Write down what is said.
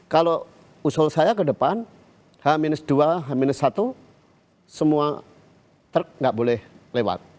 kalau usul saya ke depan h dua h satu semua truk nggak boleh lewat